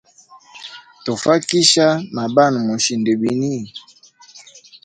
Tofakisha na banwe mosind bini?